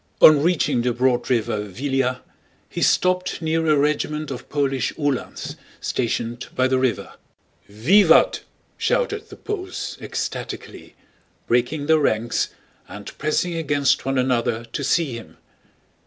On reaching the broad river Víliya, he stopped near a regiment of Polish Uhlans stationed by the river. "Vivat!" shouted the Poles, ecstatically, breaking their ranks and pressing against one another to see him.